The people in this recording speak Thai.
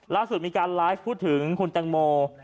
ล่าสุดมีการไลฟ์พูดถึงคุณแตงโม